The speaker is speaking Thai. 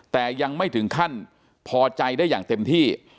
แต่ยังไม่ถึงขั้นพอใจได้อย่างเต็มที่